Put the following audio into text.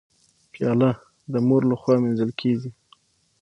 پیاله د مور لخوا مینځل کېږي.